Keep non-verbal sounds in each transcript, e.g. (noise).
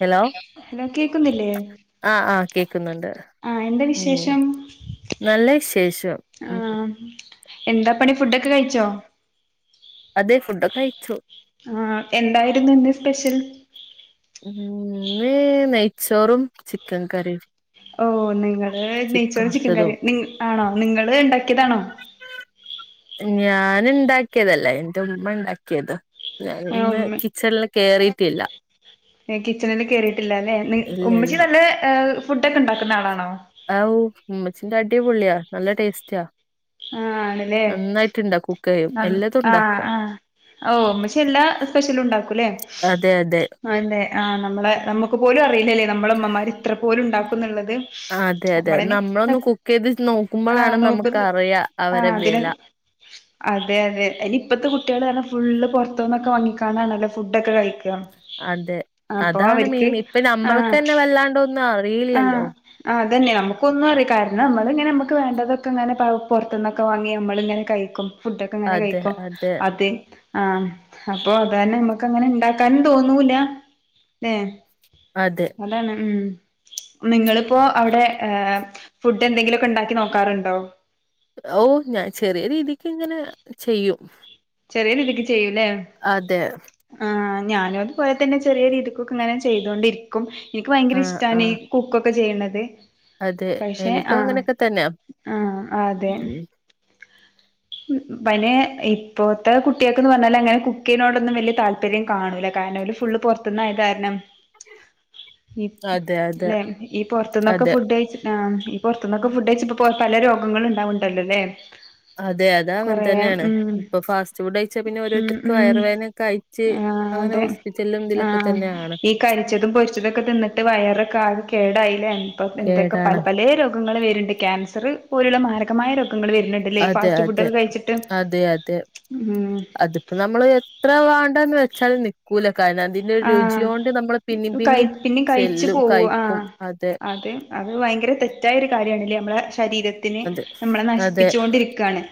Hello hello കേക്കുന്നില്ലേ ആഹ് ആഹ് കേക്കുന്നുണ്ട് ആ എന്താ ഉം. വിശേഷം നല്ല വിശേഷം ആ ഉം. എന്താ പണി ഫുഡൊക്കെ കഴിച്ചോ? അതെ ഫുഡൊക്കെ കഴിച്ചു. ആഹ് എന്തായിരുന്നു ഇന്ന് സ്പെഷ്യൽ? ഇന്ന് നെയ്ച്ചോറും ചിക്കൻ കറിയും. ഓഹ് നിങ്ങള് നെയ്ച്ചോറും ചിക്കൻ കറിയും നിങ്ങ് ആണോ നിങ്ങള് ഉണ്ടാക്കിയതാണോ? ഞാൻ ഇണ്ടാക്കിയതല്ല എന്റെ ഉമ്മ ഇണ്ടാക്കിയതാ ഞാൻ ആ ഇന്ന് ഉമ്മ കിച്ചണില് കേറീട്ടില്ല. കിച്ചണില് കേറീട്ടില്ലാല്ലെ നി ഇല്ല ഇല്ല ഉമ്മച്ചി നല്ല ഏഹ് ഫുഡ് ഒക്കെ ഉണ്ടാക്കുന്ന ആളാണോ? ആവു ഉമ്മച്ചിന്റെ അടി പൊളിയാ നല്ല ടേസ്റ്റാ. ആണല്ലേ? നന്നായിട്ട്ണ്ടാ കുക്ക് ചെയ്യും ആഹ് എല്ലതും ഉണ്ടാക്കും ആഹ് ഓഹ് ഉമ്മച്ചി എല്ലാ സ്പെഷ്യലും ഉണ്ടാക്കുംല്ലേ? അതെ അതെ അതെ ആഹ് നമ്മളെ നമ്മുക്ക് പോലും അറിയില്ലല്ലേ നമ്മളെ ഉമ്മമാര് ഇത്ര പോലും ഉണ്ടാക്കുന്നുള്ള ത്. അതെ അതെ നമ്മള് അയിന് നമ്മളൊന്ന് കുക്ക് ചെയ്ത് ആഹ് നോക്കുമ്പോഴാണ് നമുക്ക് നോക്കുന്നി അറിയാ ആഹ് അവരെ അതിന് വെല അതെ അതെ അയിന് ഇപ്പത്തെ കുട്ടികളെന്ന് പറഞ്ഞാ ഫുള്ള് പൊറത്തുന്നൊക്കെ വാങ്ങിക്കാനാണല്ലേ ഫുഡൊക്കെ കയ്ക്ക അതെ അപ്പോ അതാണ് അവർക്ക് മെയിൻ ഇപ്പൊ നമ്മൾക്ക് ആഹ് തന്നെ വല്ലാണ്ടൊന്നും ആഹ് അറിയില്ലല്ലോ അതന്നെ നമുക്കൊന്നും അ അറിയില്ല കാരണം നമ്മളിങ്ങനെ നമുക്ക് വേണ്ടതൊക്കെ ഇങ്ങനെ പ പൊറത്ത്ന്നൊക്കെ വാങ്ങി നമ്മളിങ്ങനെ കഴിക്കും ഫുഡൊക്കെ ഇങ്ങനെ അതെ കഴിക്കും അതെ അത് ആഹ് അപ്പോ അതന്നെ നമ്മക്ക് അങ്ങനെ ഇണ്ടാക്കാനും തോന്നൂലാ ഏഹ് അതെ അതാണ് ഉമ് നിങ്ങളിപ്പോ അവിടെ ഏഹ് ഫുഡ് എന്തെങ്കിലൊക്കെ ഉണ്ടാക്കി നോക്കാറുണ്ടോ ഓഹ് ഞാൻ ചെറിയ രീതിക്ക് ഇങ്ങനെ ചെയ്യും ചെറിയ രീതിക്ക് ചെയ്യൂ ല്ലേ അതെ ആഹ് ഞാനും അതുപോലെ തന്നെ ചെറിയ രീതിക്കൊക്കെ ഇങ്ങനെ ചെയ്തൊണ്ടിരിക്കും ഇന്ക് ഭയങ്കര ആ ആ ഇഷ്ടാണ് ഈ കുക്കൊക്കെ ചെയ്യണത് അതെ പക്ഷെ എനിക്കും ആഹ് അങ്ങനെയൊക്കെ തന്നെയാ ആഹ് അതെ ഉം പിന്നെ ഇപ്പോഴത്തെ കുട്ടിയെക്ക് ന്ന് പറഞ്ഞാല് അങ്ങനെ കുക്ക് ചെയ്യുന്നനോടൊന്നും വല്ല്യ താല്പര്യം കാണൂല്ല ക രണം ഓല് ഫുള്ള് പൊറത്തന്നായ കാരണം ഈ അതെ അതെ ഇല്ലേ ഈ പൊർത്ത്ന്നൊക്കെ അതെ ഫുഡ് കഴിച്ചി ആഹ് ഈ പൊറത്തന്നെക്കെ ഫുഡ് കഴിച്ചിപ്പോ പല രോഗങ്ങളും ഇണ്ടാവുണ്ടല്ലോ ല്ലേ അതെ അതാ അങ്ങനെ കൊറേ തന്നെയാണ് ഉം ഇപ്പൊ ഫാസ്റ്റ് ഫുഡ് കഴിച്ചാ പിന്നെ ഉം ഓരോരുത്തർക്ക് വയർ ഉം വേനൊക്കെ ആയിറ്റ് ആഹ് അതെ ആഹ് ഈ കരിച്ചതും പൊരിച്ചതൊക്കെ തിന്നിട്ട് വയറൊക്കെ ആ കേടായില്ലേ എന്തൊക്കെ പല കേടാണ് പല രോഗങ്ങൾ വരുന്നുണ്ട് ക്യാൻസർ പോലുള്ള മാരകമായ രോ ഗങ്ങൾ വരുന്നുണ്ട്ല്ലേ ഇ ഫാസ് അതെ അതെ അതെ ഉം അതിപ്പോ നമ്മൾ എത്ര വാ ണ്ടാന്ന് വെച്ചാല് നിക്കൂല കാരണം അതിന്റെ ആഹ് രുചിയോണ്ട് നമ്മള് പിന്നിം കയി പിന്നിം പിന്നെ കഴിച്ചു ചെല്ലും പോവ കഴിക്കും ആഹ് അതെ അത് അത് ഭയങ്കര തെറ്റായ ഒരു കാര്യാണല്ലേ നമ്മളെ ശരീരത്തിന് അതെ നമ്മളെ അതെ നശിപ്പിച്ചോണ്ടിരിക്കാണ്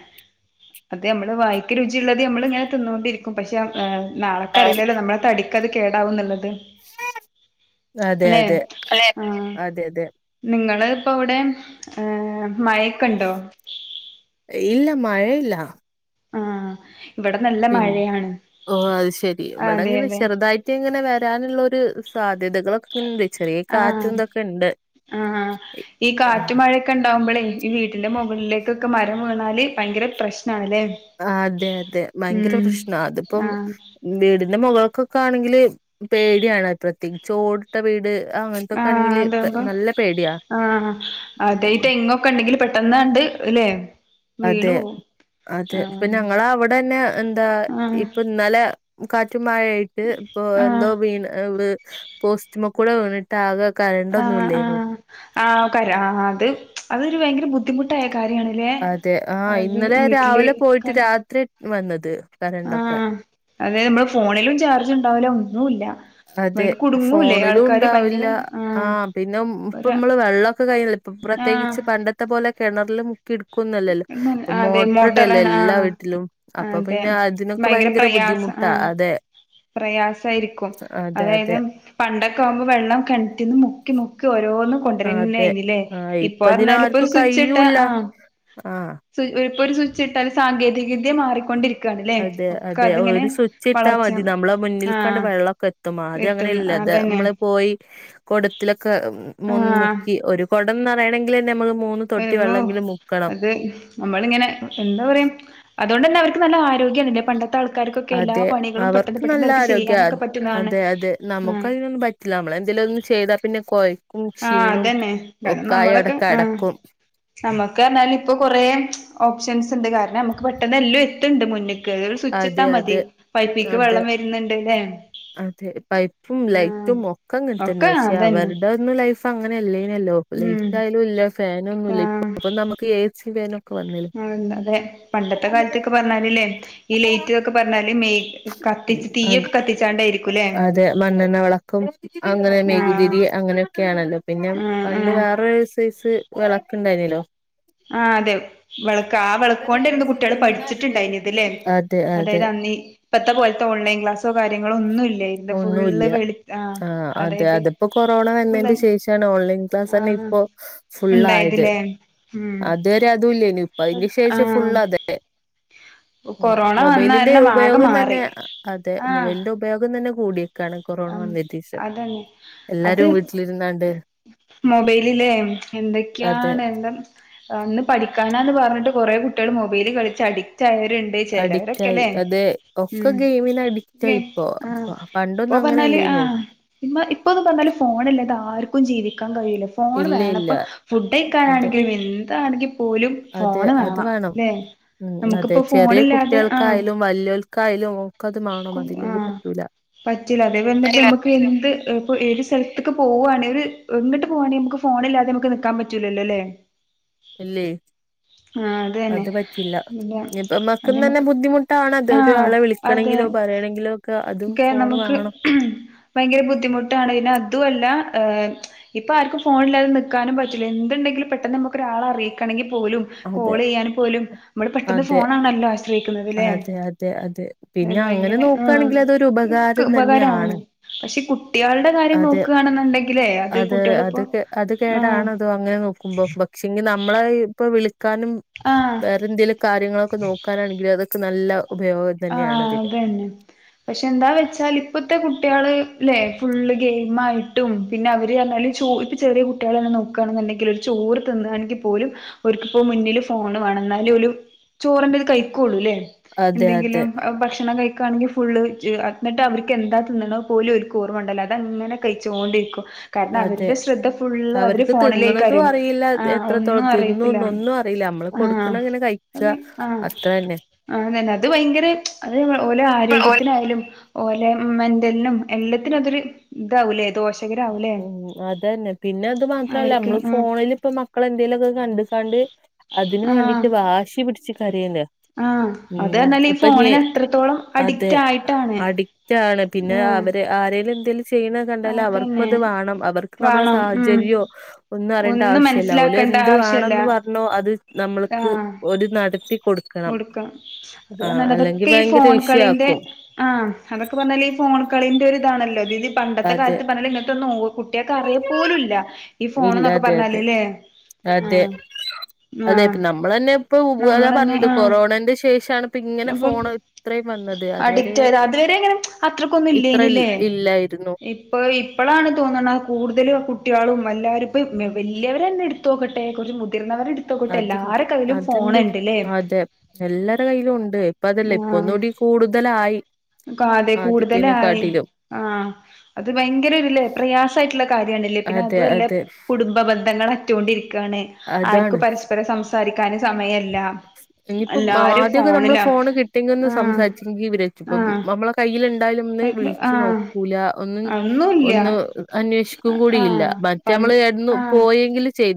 അതെ നമ്മള് വായിക്ക്‌ രുചിള്ളത് നമ്മള് ഇങ്ങനെ തിന്നോണ്ടിരിക്കും പക്ഷെ ഏഹ് നാളക്ക്‌ അറിയില്ലല്ലോ നമ്മള തടിക്ക് അത് കേടാവുന്നുള്ളത് അതെ അല്ലെ അതെ ആഹ് അതെ അതെ നിങ്ങള് പ്പോവിടെ ഹേ മയെക്ണ്ടോ ഇല്ല മഴയില്ല ആഹ് ഇവിടെ നല്ല പിൻ മഴയാണ് ഓഹ് അത് ശെരി അതെ ഇവിടെങ്ങനെ അതെ ചെറുതായിട്ട് ഇങ്ങനെ വരാനുള്ളോരു സ് സാധ്യതകളക്കിണ്ട് ആഹ് ആഹ് അഹ് അഹ് ഈ ഉം കാറ്റും മഴയക്കെണ്ടാവുമ്പളേ ഈ വീട്ടിന്റെ മുകളിലേക്കൊക്കെ മരം വീണാല് ഭയങ്കര പ്രശ് അതെ അതെ ഉം ഭയങ്കര പ്രശ്ന അതിപ്പോം ആഹ് വീടിന്റെ മുക ക്കൊക്കണെങ്കില് പേടിയാണ് പ്രത്യേകിച്ച് ഓടിട്ട വീട് അങ്ങനത്തൊക്കെ ആഹ് ആണെങ്കില് അതേ പം നല്ല പേടിയാ ആഹ് അഹ് അതെ ഉം. തെങ്ങൊക്കെണ്ടെങ്കിൽ പെ പെട്ടന്നാണ്ട് ഇല്ലെ അതെ അതെ ഇപ്പൊ ഞങ്ങള അവിടന്നെ എന്താ ആഹ് ഇപ്പൊന്നലെ കാറ്റും മായ ആയിട്ട് ഇപ്പൊ ആഹ് എന്തോ വീണ് വ് പോസ്റ്റുമ്കുടെ വീണിട്ട് ആകെ കരണ്ടൊന്നും ആഹ് ഇല്ലേനു ആഹ് ആഹ് കരാ ആഹ് അഹ് അത് അതൊരു ഭയങ്കര ബുദ്ധിമുട്ട അതെ ആഹ് ഇന്നലെ വീട്ടില് രാവിലെ പോയിട്ട് കര രാത്രി വന്നത് കറണ്ടൊക്കെ ആഹ് അതെ മ്മൾ ഫോണിലും ചാർജ്ണ്ടാവില്ല ഒന്നുല്ല വൈ അതെ കുടുങ്ങൂലേ ഫോണിലും ആൾക്കാര് ഭയങ്കര ഉണ്ടാവില്ല ആഹ് പിന്നെ പ്പ ഒര് മ്മള് വെള്ളക്കെ കഴ് ഇപ്പ ആഹ് പ്രത്യേകിച്ച് പണ്ടത്തെ പോലെ കെണറിലു കിടുക്കുന്നല്ലല്ലോ പ്പൊ അതെ മോട്രടല്ലോ മോട്ടറാണ് എല്ലാ ആഹ് വീട്ടിലും അപ്പൊ അതെ പിന്നെ അതിനൊക്കെ ഭയങ്കര ബുദ് പ്രയാസം ദ്ധിമുട്ടാ ആഹ് അതെ പ്രയാസായിരിക്കും അതെ അതായത് അതെ പണ്ടക്കാമ്പോ വെള്ളം കെണറ്റിന്ന് മുക്കി മുക്കി ഓരോന്നു അതെ കൊണ്ടെരന്നേയിന്നില്ലെ ആഹ് ഇപ്പ ഇതിന് ഇപ്പൊറന്നല് ഇപ്പൊ ഒരു ആർക്കും സ്വിച്ച് ട്ടാ കഴിയൂല്ല ആഹ് ആഹ് സു ഇപ്പൊ ഒരു ഒരു സ്വിച്ച് ഇട്ടാൽ സാങ്കേതികവിദ്യ മാറിക്കൊണ്ടിരിക്ക അതെ അതെ ഒരു സ്വിച്ച് ഇട്ടാ വളർച്ച മതി നമ്മള മുന്നിൽക്കാണ്ട് ആഹ് വെള്ളക്കെ എത്തും ആദ്യ എത്തുന്നു അങ്ങനെല്ല ത് അതന്നെ നമ്മള് പോയി കൊടത്തിലൊക്കെ മ് മു ആഹ് മുക്കി ഒരു കൊടം നറയണെങ്കിലന്നെ നമ്മള് മൂന്ന് തൊട്ടി വെള്ളെങ്കിലും മുക്കണം (unintelligible) അത് നമ്മളിങ്ങനെ എന്താ പറയാ അത് അതോണ്ടന്നെ അവര്ക്ക് നല്ല ആരോഗ്യാണ്ല്ലേ പണ്ടത്ത് അതെ അവർക്ക് നല്ല ആരോഗ്യാ ചെയ്യാനൊക്കെ അത് പറ്റുന്നതാണ് അതെ അതെ നമുക്ക് ആഹ് അതിനൊന്നും പറ്റില്ല നമ്മള് (unintelligible) എന്തെലും ഒന്ന് ചെയ്താ പിന്നെ കൊഴക്കും ആഹ് ക്ഷീണും അതന്നെ കാരണം ഒക്കായി അവിടെ നമ്മളൊക്കെ ആഹ് കെടക്കും നമ്മക്ക് പ‌റഞ്ഞാല് ഇപ്പൊ കൊറേ ഓപ്ഷൻസ് ഇണ്ട് കാരണം നമ്മക്ക് പെട്ടെന്ന് എല്ലോം എത്തണ്ട് മുന്ന്ക്ക് ചെറിയ ഒരു സുച്ചിട്ടാ അതെ മതി അതെ പൈപ്പിക്ക് അതെ വെള്ളം വെരുന്നുണ്ട് ല്ലേ അതെ പൈപ്പും ആഹ് ലൈറ്റും ഒക്കെ അങ്ങനെ തന്നെ ഒക്കെ പക്ഷെ അതന്നെ അവരുടെ ഒന്നും ലൈഫ് അങ്ങനെയല്ലേ ലല്ലോ ഉം ലൈറ്റ് ആയാലും ഇല്ല ഫാനൊന്നുല്ല ആഹ് ഇപ്പൊ നമ്മക്ക് എ സി ഫാനൊക്ക് ആഹ് അതെ പണ്ടത്തെ കാലത്തെയൊക്കെ പറഞ്ഞാലില്ലേ ഈ ലേറ്റ് ഇതൊക്കെ പറഞ്ഞാല് മെയ് കത്ത് കത്തിച്ച് അത് തീയക്കെ കത്തിച്ചാണ്ടായിരിക്കും അതെ മണ്ണെണ്ണ വിളക്കും അങ്ങനെ ആഹ് മെയ്കുതിരി അങ്ങനെയൊക്കെയാണല്ലോ പിന്നെ ആഹ് പണ്ട് ആഹ് വേറെരു സെയ്‌സ് വിളക്ക് ഇണ്ടായിനല്ലോ ആ അതെ വിളക്ക് ആ വെളക്കോ ണ്ടിരുന്നു കുട്ടികൾ പഠിച്ചിട്ടണ്ടായിന്നത് തല്ലേ അതെ അതെ അതായത് അന്നീ ഇപ്പത്തെ പോലത്തെ ഓൺലൈൻ ക്ലാസ്സോ കാര്യങ്ങളോ ഒന്നും ഇല്ല ഒന്നല്ല ആ അതെ അതായത് അതിപ്പോൊ കൊറോണ ഫുള്ള് വന്നതിന്റെ ശേഷമാണ് ഓൺലൈൻ ക്ലാസ് തന്നെ ആഹ് ഇപ്പൊ ഫുുള്ള ആയത് ഉണ്ടായതില്ലേ ഉം അത്വരെതല്ലനി ഇപ്പ അതിന് ശേഷം ആഹ് ഫുുള്ള അതെ ഉ കൊറോണ വന്ന മൊബൈലിന്റെ കാരണം ആകെ ഉപയോഗം മാറി തന്നെ അതെ ആഹ് മൊബൈലിന്റെ ഉപയോഗം തന്നെ കൂടിയേക്കാണ് കൊറോണ ഉം വന്നതിന്റേഷം അതന്നെ അത് എല്ലാരും വീട്ടിലിരുന്നാണ്ട് മൊബൈലിലേ അതെ എന്തൊക്കെയാണ് എന്താ ന്ന് പഠിക്കാനാന്ന് പറഞ്ഞിട്ട് കുറെേ കുട്ടികൾ മൊബൈല് കളിച്ച് അഡിക്റ്റ് ചരുണ്ട് അഡിക്റ്റ് ആയി ചിലരൊക്കെല്ലേ അതെ ഒക്കെ ഗെയിമിന് അഡിക്റ്റ് ഉെ ആയി ഇപ്പോ ആ പ- ഇപ്പൊ പണ്ടൊന്നും പറഞ്ഞാല് ആ് അങ്ങനെയല്ലേനു ഇപ്പൊന്നന്ന് പറഞ്ഞാല് ഫോണല്ലേ ഇത് ആർക്കും ജീവിക്കും ാൻ കഴിയില്ല ഫോൺ ഇല്ല ഇല്ല വേണംപ്പ ഫുഡ് അതെ കഴിക്കാനാണെങ്കിലും എന്താണെങ്കും പോലും അതെ ഫോണ് അത് വേണം അല്ലേ ഉം അതെ ചെറിയ കുട്ടികൾക്കായാലും വല്ലിയവൽക്കായാലും ക്കത് വേണണം അതില്ലെങ്കിൽ പറ്റൂല പറ്റൂില്ല അതേപലെ നമുക്ക്ൊ ഏത് സ്ഥലത്തക്ക് പോക പോവവാണ ഒരു എിട്ട് പോവാണെിൽ നമുക്ക് ഫോണ ഇില്ലാതെ നമക്ക് നിക്കാൻ പറ്റൂലല്ലോ അല്ലേ ഇല്ല ആ അതെ അത് പറ്റില്ല ഇപ്പ മക്കന്ന് തന്നെ നമുക്ക് ബുദ്ധിമുട്ടാണ് അത ആഹ് ഒരാളെ അതെ വിളിക്കണമെങ്കിലോ പറയണമെങ്കിലോ അതും ഒക്കെ ഫോണ് നമുക്ക് വേണം ഭയങ്കര ബുദ്ധിമുട്ടാണ് പിെ അതുംല്ല ഇപ്പൊ ആർക്കും ഫോണിലാെ നക്കാനും പറ്റില്ല എണ്ടെങ്കില പെട്ടെന്ന് ന ഒരാളെങ്ക പോലും അതെ കോൾ ചെയ്യാൻ പോലും നമ്മള് പെട്ടന്ന് അതെ ഫോണാണല്ലോ ആശ്രയിക്കുന്നത്ല്ലേ അതെ അതെ അതെ അ പിന്നെ അങ്ങനെ ഭയങ്കര ആ നോക്കുകയാണെങ്കിൽ അതൊരു ഉപകാരം ഉപകാരമാണ് തന്നെയാണ് പക്ഷെ കുട്ടികളുടെ കാര്യം അതെ നോക്കയാണെന്നുണ്ടെങ്കിൽേ അത് കുട്ടികള ഇപ്പോൊ അത് കേടാണതോ അങ്ങനെ നോക്കുമ്പോ പക്ഷെങ്കി നമ്മളെ ഇപ്പ വിളിക്കാനും ആഹ് വേറെ എന്തേങ്കിലും കാര്യങ്ങളൊക്കെ നോക്കാനാണെങ്കിലിൽ അതൊക്കെ നല്ല ഉപയോഗം ആഹ തന്നെയാണ് അതിന് അതന്നെ പക്ഷെ എന്താ വെച്ചാൽ ഇപ്പത്തെ കുട്ടികള് അല്ലെ ഫുള് ഗെയിം ആയിട്ടും പിന്നെ അവര് ഇപ്പ ചെറിയ കുട്ടികൾ തെ നോക്കുകയാണെന്നുണ്ടെങ്കിലുംോ ൂർ തിന്നാണെങ്കിൽ പോലും ഒക്കിപ്പോ മുന്നില് ഫോണ് വണന്നാലും ഒരു ചോറിന്റെ ഇത് കഴിക്കുള്ളൂല്ലേ അതെ അതെ എന്തെങ്കിലും ഭക്ഷണം കഴ ക്കെ ആണെങ്കിൽ ഫുള് എന്നിട്ട് അവർക്ക് എന്താ തിന്നണോ പോലും ഒരു ർവ ഉണ്ടല്ലോ അത്ങ്ങനെ കഴിച്ചുകോണ്ടിരിക്കും കാരണം അതെ അവരുടെ ശ്രദ്ധ ഫുള്ള് അവര് അവർക്ക് തിന്നണതും ഫോണിലേക്ക്രും ആ ഒന്നും അറിയത്തില്ല അല്ല നമ്മള് ആഹ് കൊടുക്കണ ഇങ്ങനെ കഴിക്കുക അത്ര തന്നെ ആ അതന്നെ അത് ഭയങ്കര അത് ഓലെ ആരോഗ്യത്തിനായാലും ഓലെ ഉ മെന്റലിനും എല്ലാത്തിനും അതൊരു ഇതാവൂലേ അ ഉ അത തന്നെ പിന്നെ അത് മാത്രല്ല അവർക്ക് നമ്മള് ഉം ഫോണിൽ ഇപ്പ മക്കള എന്തെലുമക്കെ കണ്ട കാണ്ട് അതിന് ആഹ് വേണ്ടിട്ട് വാശി പിടിച്ച് കരയണ്ട ആഹ് ഉ അത് പറഞ്ഞാല് ഈ അപ്പൊ ഫോണിന് അത്രത്തോളം അതെ അഡിക്റ്റ് ആയിട്ടാണ് അഡിക്റ്റാണ് പിന്നെ അവ ആഹ് അവ ആരെേങ്കും എന്തെങ്കും്യണ കണ്ടാല അവർ അതന്നെ അത് വേണം അവർക്ക് നമ്മള വേണം ഉം സാഹചര്യോ ഒന്നും അറിയേണ്ട ആവശ്യില്ല അവഓല മനസ്സിലാക്കേണ്ട എന്ത് ആവശ്യല്ല വേണംന്ന് പറഞ്ഞ അത് നമ്മൾക്ക് ആഹ് ഒരു നടത്തി കൊടുക്കണം അത് ആ പറഞ്ഞാല് അല്ലെങ്കിൽ അതൊക്കെ ഈ ഭയങ്കര ഫോൺ വിഷയയാക്കും കളിന്റെ ആഹ് അതൊക്കെ പറഞ്ഞാല് ഈ ഫോണ കളിന്റെ ഒ ഇതാണല്ലോ അത് ഇത് പണ്ടത്തെ അതെ കാലത്ത് പറഞ്ഞ ഇങ്ങത്തെ ഒന്ന നോ കുട്ടിയക്കെ അറിയപ്പോലുംല്ല ഈ ഇല്ല ഫോൺന്നൊക്കെ അതെ അതെ പറഞ്ഞാലേല്ലേ അതെ ആഹ അതെ നമ്മൾ തന്നെ ഇപ്പൊ ഉപാാ പറഞ്ഞത് ആഹ് കൊറോണന്റെ ശേഷമാണ് ഇങ്ങനെ അപ്പൊ ഫോൺ ഇത്രയും വന്നത് അത്വരെ അഡിക്റ്റ് ആയത് അതുവരെ അങ്ങനെ അത്രക്കൊന്നും ഇത്ര ഇല്ലേനില്ലേ ഇല്ലായി ഇപ്പൊ ഇപ്പളാണ് തോന്നണ കൂടുതലും കുട്ടികളും എല്ലാവരുംപ്പ വലിയവർ തന്നെ എടുത്ത് നോക്കട്ടെ കുറിച്ച് മുതിർന്നവരു അത്ണ്ട് അത്ണ്ട് അതെ എല്ലരുടെ കയ്യിലും ഉണ്ട് ഇപ്പ അതല്ലേ ഇപ്പൊ ഒന്നൂടി കൂടുതലായി കാതെ കൂടുതലായി ആദ്യത്തേനെക്കാട്ടിലും ആ അത് ഭയങ്കരല്ലേ പ്രയാസമായിട്ടുള്ള കാര്യണല്ലേ പിന്നെ അതെ അത അല്ലേ അതെ കുടുംബബന്ധ (unintelligible) അറ്റൊണ്ടിരിക്കയാണ് ആർക്കും അതാണ് പരസ്പരം സംസാരിക്കും സമയമല്ല ഇനിയിപ്പോ ആദ്യമൊക്കെ നമ്മള് ഫോണ് കിട്ടിയെങ്കിൽ ഒന്ന് ആഹ് സംസാച്ചെങ്കിൽ വി ഇപ്പ ആഹ് നമ്മളെ കയ്ൽ ഇണ്ടായാലും ഒന്ന് പണ്ട് വിളിച്ചു ആഹ് നോക്കൂല ഒന്ന് ഒന്നുല്ല ഒന്ന് അന്വേഷ ക്കും കൂടില്ല ആഹ് മറ്റ നമ്മള് ഇട പോയെങ്കിൽ ചെയ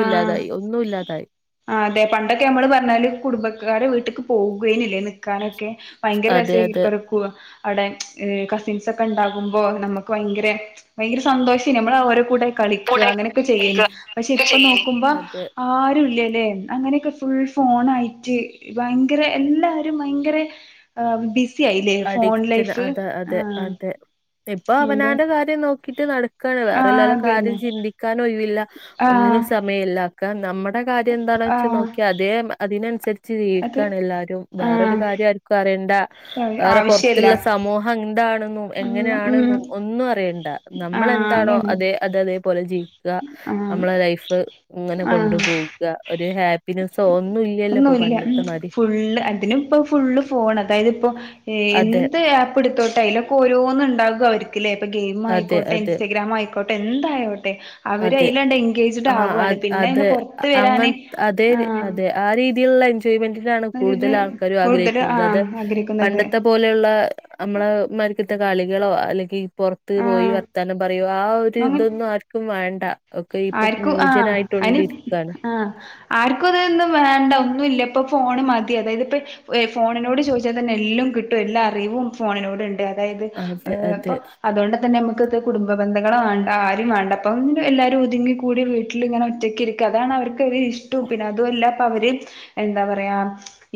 ആ ആ അതെ പണ്ടൊ ക്കെ നമ്മള് പറഞ്ഞാല് കുടുംബക്കാരെ വീട്ടിലക്ക് പോവുകേനില്ലേ നിൽക്കാനൊക്കെ ഭയങ്കര അതെ രസമായി അതെ കറക്ക അവിടെ കസിൻസ് ഒക്കെ ഉണ്ടാകുമ്പോ നമുക്ക് ഭയങ്കര ഭയങ്കര സന്തോഷം നമ്മൾ ഓരോ കൂടെ കളിക്കാ അങ്ങനെയൊക്കെ ചെയ്യനി പക്ഷെ ഇപ്പൊ നോക്കുമ്പോ അതെ ആര ല്ലേ അങ്ങനെയൊക്കെ ഫുൾ ഫോൺ ആയിട്ട് ഭയങ്കര എല്ലാരും ഭയങ്കര ആ ബിസി ആയില്ലേ ഫോൺ അഡിക്റ്റന് ലൈഫ് അതെ ആ അതെ അതെ ഇപ്പൊ അതെ അവനാന്റെ കാര്യം നോക്കിട്ട് നടക്കാണ് ആ വേറെ എല്ലും കാര്യം അതന്നെ ചിന്തിക്കാനോ ആ ഒന്നിനും സമയം ഇല്ലക്ക നമ്മുടെ കാര്യം എന്താണ ആ വെ നോക്കിയ അതേ അതിന (unintelligible) അത് ക്കയാണ് എല്ലാരും ആ വേറൊരു കാര്യം ആർക്കും അറിയേണ്ട വേറെ പുറത്തുള്ള ആവശ്യല്ല സമൂഹം എന്താണെന്നും ഒന്ന് ഉം എങ്ങനെയാണെന്നും ഒന്നും അറിയണ്ട ആഹ് നമ്മളെന്താണോ അതന്നെ അതെ അതതേപലെ ആഹ് നമ്മള ലൈഫ് ഇങ്ങനെ കൊണ്ടുപോകുക ഒന്നല്ല പണ്ടത്തെ മാതിരി ഫുള്ള് അതിും ഇപ്പോൊ ഫുള്ള് ഫോൺ അതായത് ഇപ്പോ ഏ അതെ എന്ത് ആപ്പ് എടുത്തോട്ടെ അതിലൊക്ക ഓരോന്നന്ന് ഉണ്ടാകുക അവരിക്കല്ലേ ഇപ്പൊ ഗെയിം അതെ ആയിട്ടെ അതെ ഇൻസ്റ്റഗ്രാം ആയിക്കോട്ടെ എന്തായി അതെ അവര് അതെ. അലണ്ട് എൻഗേജഡ് ആഹ് ആവുവാണ് അത് പിന്നെ അത് ഇന്ന് പുറത്ത വരാന് അങ്ങൻ അതേ ര് ആഹ് അതെ ആ രീതിയിലുള്ള (unintelligible) കൂടുതൽ ആൾക്ക കൂടുതൽ ആഗ്രഹിക്കുന്നത് അത് ആഹ് ആഗ്രഹിക്കുന്നത് പണ്ടത്തെ പോലെയുള്ള നമ്മള ഇത്തെ കളികളോ അല്ലെങ്കിൽ പുറത്ത് പോയി ആഹ് വർത്താനോ പറയോ ആ ഒരു അങ്ങൻ ഇതൊന്നും ആർക്കും വേണ്ട ഒക്കെ ഇപ്പൊ ആർക്കും ആ അനി ന്യൂജനായിട്ടൊണ്ടിരിക്കാണ്. ആ ആർക്കും അതൊന്നും വേണ്ട ഒന്നുംല്ല ഇപ്പോൾ ഫോൺ മതി അതായത് ഇപ്പോൾ ഫോണിനോട് ചോദിച്ചാൽ തന്നെ എല്ലാം കിട്ടും എല്ലാ അറിവും ഫോണിനോടു ഉണ്ട് അ അതായത് അതെ ഇപ്പൊ അതെ അതുകൊണ്ട് തന്നെ നമുക്ക കുടുംബ. ബന്ധങ്ങളൾ വണ്ട ആരുു വണ്ട അപ്പൊ എല്ലാവരും ഒതുങ്ങി കൂടി വീട്ടിലിങ്ങനെ ഒറ്റക്കി ഇരിക്കും അതാണ് അവർക്ക് ഇഷ്ടവും പിന്നെ അതുംല്ല അവര് എന്താ പറയാ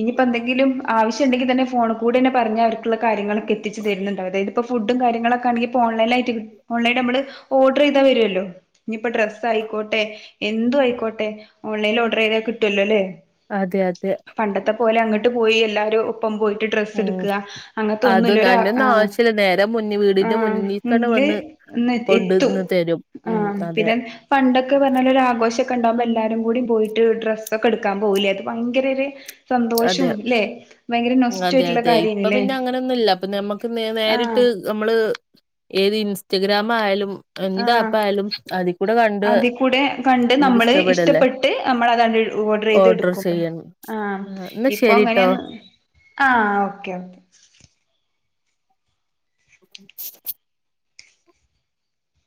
ഇനിയിപ്പോ എന്തെങ്കിലും ആവശ്യം ഉണ്ടെങ്കിൽ തന്നെ ഫോൺ കൂടെ തന്നെ പറഞ്ഞ അവർക്ക കാര്യങ്ങളൊക്കെത്തി തരുന്നുണ്ട അതായപ്പോ ഫുഡും കാര്യങ്ങളൊക്കെെ ഓൺലൈ ഓല നമ്മ ഓർഡർ ചെയ് വരുല്ലോ ഇപ്പൊ ഡ്രസ്സ് ആയിക്കോട്ടെ എന്തും ആയിക്കോട്ടെ ഓൺലൈനിൽ ഓർഡർ ചെയ്താൽ കിട്ടുമല്ലോ അല്ലേ അതെ അതെ പണ്ടത്തെ പോലെ അങ്ങോട്ട് പോയി എല്ലാവരും (unintelligible) പോട്ട് ഉം ഡ്രസ്എടൂക്ക്ക്ക് ആ അതൊന്നും അങ്ങനൊന്ന ആ അയിന്റൊന്നും ആവശ്യല്ല നേരെ മുന്നിൽ വീടിന്റെ മുന്നിൽക്കണ്ട് മ്മ് വന്ന് (unintelligible) എത്തും കൊണ്ടന്ന് തരും. ആ ഉം അതെ പിന്നെ പണ്ടൊക്കെ പറഞ്ഞ ഒരു ആഘോഷംക്കെ ഉണ്ടാവകുമ്പോ എല്ലാരും കൂടി പോയിട്ട് ഡ്രസ്സൊക്കെ എടുക്കാൻ പോവില്ലേ അത് ഭയങ്കര ഒരു അതെ സന്തോഷവും ല്ലേ ഭയങ്കര നൊസ്റ്റു അതെ ആയിട്ടുള്ള അതെ ഇപ്പൊ കാര്യാണല്ലേ പിന്നെ അങ്ങനെയൊന്നുമല്ല അപ്പൊ നമ്മുക്ക് നേ ആ നേരിട്ട് നമ്മള് ഏത് ഇൻസ്റ്റഗ്രാമ ആയാലും എന്ത് ആഹ ആപ്പായാലും അതിക്കൂടെ കണ്ട് അതി കൂടെ കണ്ട് നമ്മള് നമുക്കിഷ്ടപ്പെടല്ലേ ഇഷ്ടപ്പെട്ട് നമ്മൾ അതാ ഓർഡർ ചെയ്ത് എടുക്കും ആ ആഹ്, എന്നാ ഇപ്പൊ ശരിട്ടോ. എങ്ങനെയന്ന് ആ ഓക്കെ ഓക്കെ ഉ